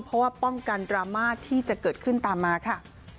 เพราะว่าป้องกันดราม่าที่จะเกิดขึ้นตามมาค่ะ